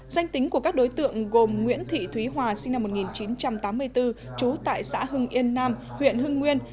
danh tính của các đối tượng gồm nguyễn thị thúy hòa sinh năm một nghìn chín trăm tám mươi bốn trú tại xã hưng yên nam huyện hưng nguyên